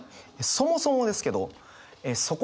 そもそもですけどおお！